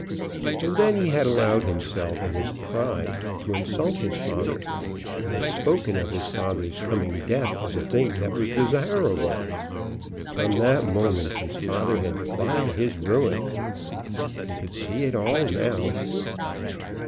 And then he had allowed himself, in his pride, to insult his father, and had spoken of his father's coming death as a thing that was desirable! From that moment his father had plotted his ruin. He could see it all now.